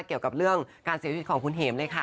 เกี่ยวกับเรื่องการเสียชีวิตของคุณเห็มเลยค่ะ